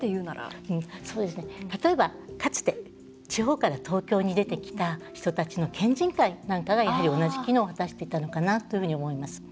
例えばかつて地方から東京に出てきた人たちの県人会が同じ機能を果たしていたのかなという気がします。